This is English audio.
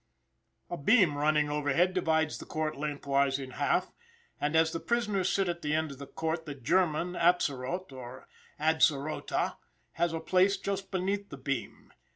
A beam running overhead divides the court lengthwise in half, and as the prisoners sit at the end of the court, the German Atzerott, or Adzerota, has a place just beneath the beam.